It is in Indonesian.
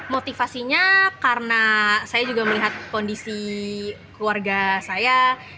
motivasinya karena saya juga melihat kondisi keluarga saya